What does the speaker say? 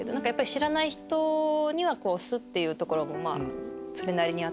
知らない人にはスッていうとこもそれなりにあったので。